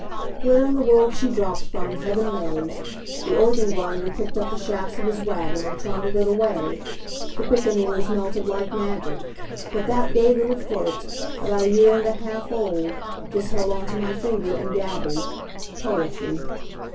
Where in the world she dropped from, heaven knows. The organ grinder picked up the shafts of his wagon and trundled it away. The piccaninnies melted like magic. But that gay little flirt, about a year and a half old, just held on to my finger and gabbled poetry.